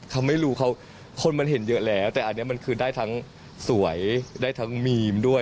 เขาไม่รู้เขาคนมันเห็นเยอะแล้วแต่อันนี้มันคือได้ทั้งสวยได้ทั้งมีมด้วย